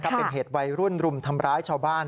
เป็นเหตุวัยรุ่นรุมทำร้ายชาวบ้าน